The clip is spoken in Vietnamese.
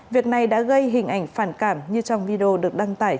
việc này đã gây hình ảnh phản cảm như trong video được đăng tải